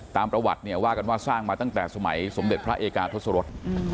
ตามประวัติเนี่ยว่ากันว่าสร้างมาตั้งแต่สมัยสมเด็จพระเอกาทศรษ